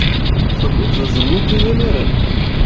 Telliḍ tzelluḍ izamaren.